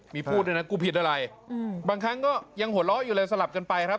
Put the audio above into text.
มีพูดด้วยนะกูผิดอะไรบางครั้งก็ยังหัวเราะอยู่เลยสลับกันไปครับ